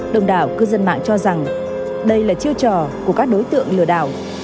đồng đảo cư dân mạng cho rằng đây là chiêu trò của các đối tượng lừa đảo